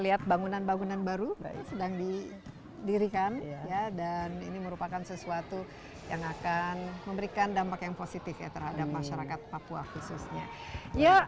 kita lihat bangunan bangunan baru sedang didirikan dan ini merupakan sesuatu yang akan memberikan dampak yang positif ya terhadap masyarakat papua khususnya